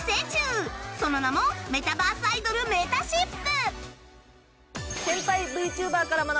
その名もメタバースアイドルめたしっぷ